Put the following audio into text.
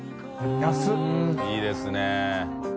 造ぁいいですね。